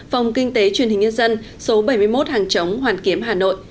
phòng kinh tế truyền hình nhân dân số bảy mươi một hàng chống hoàn kiếm hà nội